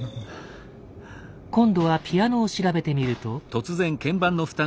今度はピアノを調べてみると。